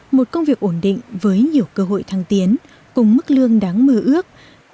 một công việc ổn định với nhiều cơ hội thăng tiến cùng mức lương đáng mơ ước